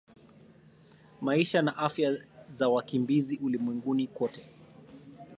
Maisha na Afya za wakimbizi ulimwenguni kote